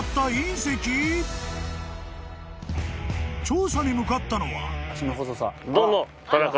［調査に向かったのは］